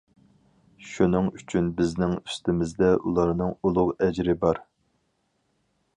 شۇنىڭ ئۈچۈن بىزنىڭ ئۈستىمىزدە ئۇلارنىڭ ئۇلۇغ ئەجرى بار.